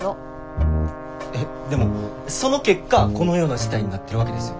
えっでもその結果このような事態になってるわけですよね。